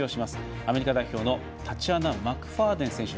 アメリカ代表のタチアナ・マクファーデン選手。